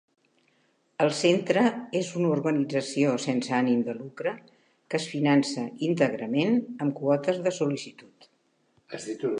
El Centre és una organització sense ànim de lucre que es finança íntegrament amb quotes de sol·licitud.